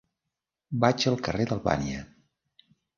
Vaig al carrer d'Albània.